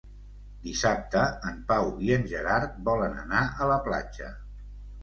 Dissabte en Pau i en Gerard volen anar a la platja.